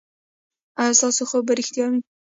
ایا ستاسو خوب به ریښتیا وي؟